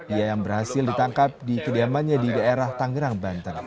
ia yang berhasil ditangkap di kediamannya di daerah tangerang banten